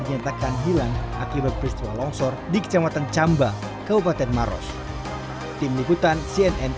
dinyatakan hilang akibat peristiwa longsor di kecamatan camba kabupaten maros tim liputan cnn